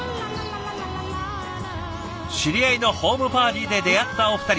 知り合いのホームパーティーで出会ったお二人。